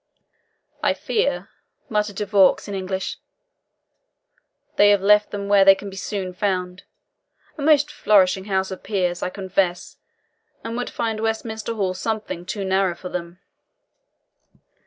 "I fear," muttered De Vaux in English, "they have left them where they can be soon found. A most flourishing House of Peers, I confess, and would find Westminster Hall something too narrow for them."